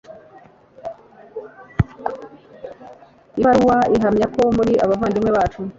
ibaruwa ihamya ko muri abavandimwe bacu